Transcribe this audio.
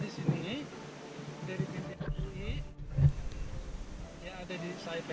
dari pinti pui yang ada di saipaigani